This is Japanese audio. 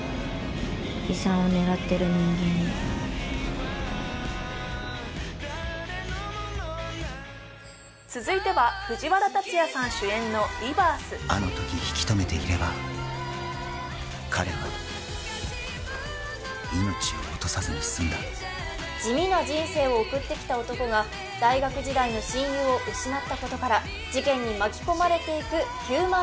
遺産を狙ってる人間に続いては藤原竜也さん主演の「リバース」あのとき引き止めていれば彼は命を落とさずに済んだ地味な人生を送ってきた男が大学時代の親友を失ったことから事件に巻き込まれていくヒューマン